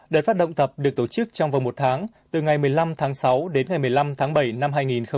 đợt phát động thập được tổ chức trong vòng một tháng từ ngày một mươi năm tháng sáu đến ngày một mươi năm tháng bảy năm hai nghìn hai mươi